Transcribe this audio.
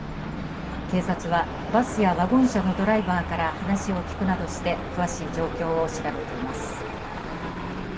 警察はバスやワゴン車のドライバーから話を聞くなどして詳しい状況を調べています。